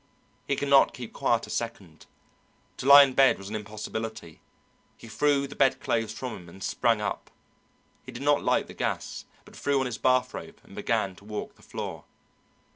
He could not keep quiet a second to lie in bed was an impossibility; he threw the bed clothes from him and sprang up. He did not light the gas, but threw on his bathrobe and began to walk the floor.